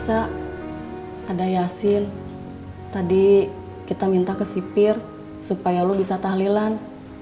ada yasin tadi kita minta ke sipir supaya lu bisa tahlilan